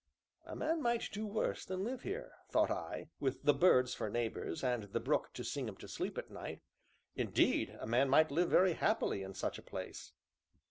"A man might do worse than live here," thought I, "with the birds for neighbors, and the brook to sing him to sleep at night. Indeed, a man might live very happily in such a place."